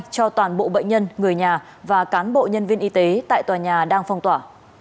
cho toàn bộ bệnh nhân người nhà và cán bộ nhân viên y tế tại tòa nhà đang phong tỏa